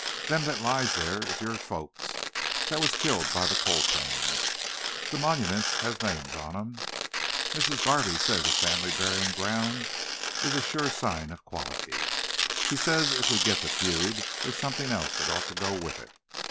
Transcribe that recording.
Them that lies thar is yo' folks what was killed by the Coltranes. The monyments has the names on 'em. Missis Garvey says a fam'ly buryin' groun' is a sho' sign of quality. She says ef we git the feud, thar's somethin' else ought to go with it.